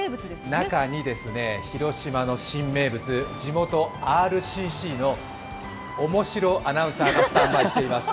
中に広島の新名物、地元ＲＣＣの面白アナウンサーがスタンバイしています。